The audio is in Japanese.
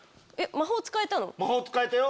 魔法使えたよ。